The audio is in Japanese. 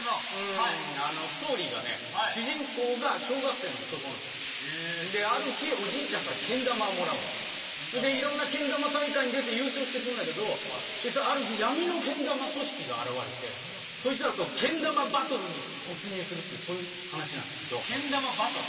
はいストーリーがね主人公が小学生の男の子ある日おじいちゃんからけん玉をもらうのでいろんなけん玉大会に出て優勝してくんだけどそしたらある日闇のけん玉組織が現れてそいつらとけん玉バトルに突入するっていうそういう話なんだけどけん玉バトル？